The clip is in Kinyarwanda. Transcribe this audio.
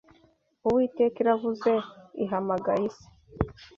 Uwiteka iravuze Ihamagaye isi